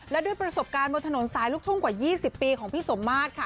และด้วยประสบการณ์บนถนนสายลูกทุ่งกว่า๒๐ปีของพี่สมมาตรค่ะ